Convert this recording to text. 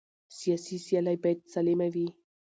سیاسي سیالۍ باید سالمه وي